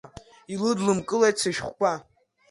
Илыдлымкылеит сышәҟәқәа.